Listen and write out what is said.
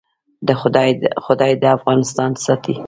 خدای دې افغانستان ساتي؟